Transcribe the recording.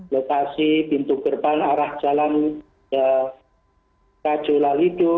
lokasi pintu gerbang arah jalan kajolalido